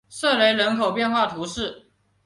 瑟雷人口变化图示